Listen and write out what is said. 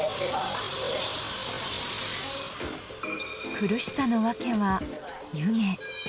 苦しさの訳は湯気。